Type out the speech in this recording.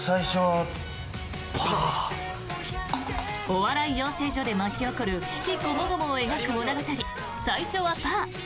お笑い養成所で巻き起こる悲喜こもごもを描く物語「最初はパー」。